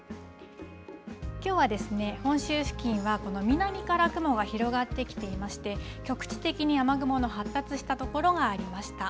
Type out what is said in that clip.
きょうは本州付近はこの南から雲が広がってきていまして、局地的に雨雲の発達した所がありました。